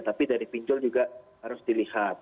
tapi dari pinjol juga harus dilihat